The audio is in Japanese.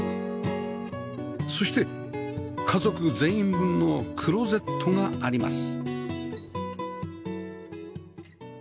そして家族全員分のクローゼットがあります